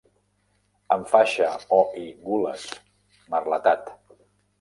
Amb faixa o/i gules, merletat.